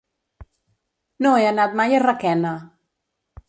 No he anat mai a Requena.